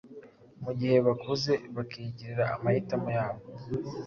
mu gihe bakuze, bakigirira amahitamo yabo